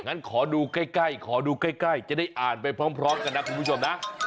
งั้นขอดูใกล้ขอดูใกล้จะได้อ่านไปพร้อมกันนะคุณผู้ชมนะ